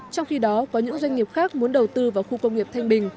trong khi đó có những doanh nghiệp khác muốn đầu tư vào khu công nghiệp thanh bình